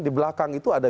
di belakang itu ada